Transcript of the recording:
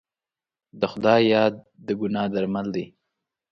د خدای یاد د ګناه درمل دی.